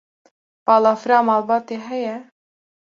Balafira malbatê heye?